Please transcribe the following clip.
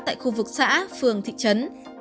tại khu vực xã phường thị trấn